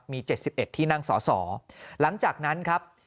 มี๗๑ที่นั่งสอสอหลังจากนั้นครับ